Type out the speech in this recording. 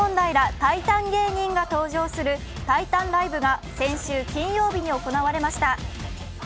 タイタン芸人が登場するタイタンライブが先週金曜日に行われました。